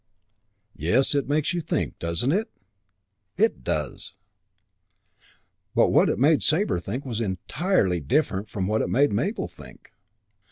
"Yes, it makes you think, doesn't it?" "It does!" But what it made Sabre think was entirely different from what it made Mabel think.